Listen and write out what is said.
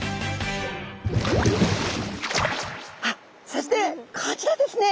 そしてこちらですね